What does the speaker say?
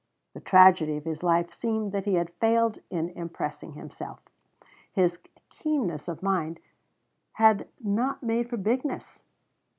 The tragedy of his life seemed that he had failed in impressing himself. His keenness of mind had not made for bigness.